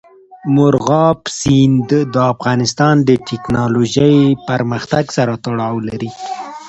مورغاب سیند د افغانستان د تکنالوژۍ پرمختګ سره تړاو لري.